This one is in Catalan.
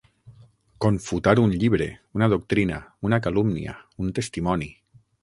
Confutar un llibre, una doctrina, una calúmnia, un testimoni.